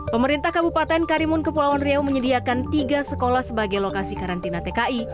pemerintah kabupaten karimun kepulauan riau menyediakan tiga sekolah sebagai lokasi karantina tki